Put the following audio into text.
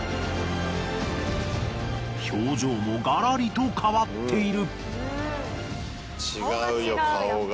表情もガラリと変わっている。